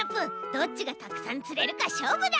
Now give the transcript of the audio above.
どっちがたくさんつれるかしょうぶだ！